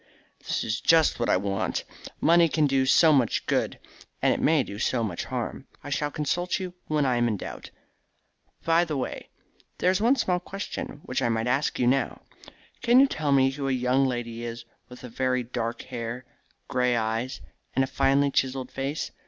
"That is just what I want. Money can do so much good, and it may do so much harm. I shall consult you when I am in doubt. By the way, there is one small question which I might ask you now. Can you tell me who a young lady is with very dark hair, grey eyes, and a finely chiselled face?